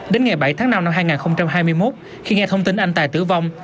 đến ngày bảy tháng năm năm hai nghìn hai mươi một khi nghe thông tin anh tài tử vong